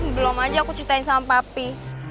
belum aja aku ceritain sama papi